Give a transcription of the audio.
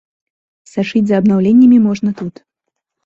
Сачыць за абнаўленнямі можна тут!